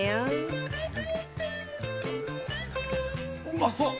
うまそう！